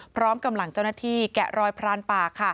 พร้อมกำลังเจ้าหน้าที่แกะรอยพรานป่า